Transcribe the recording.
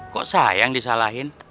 kok saya yang disalahin